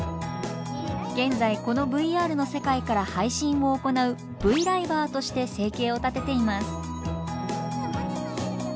現在このＶＲの世界から配信を行うＶライバーとして生計を立てています。